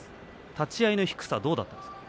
立ち合いの低さはどうだったですか？